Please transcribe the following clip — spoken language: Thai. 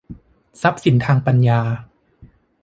ทรัพย์สินทางปัญญา